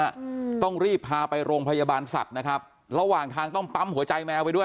อืมต้องรีบพาไปโรงพยาบาลสัตว์นะครับระหว่างทางต้องปั๊มหัวใจแมวไปด้วย